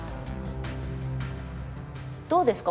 どうですか